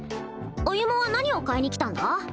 歩は何を買いに来たんだ？